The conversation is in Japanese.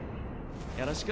よろしく。